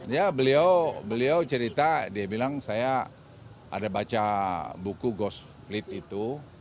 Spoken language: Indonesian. ya beliau cerita dia bilang saya ada baca buku ghost fleet itu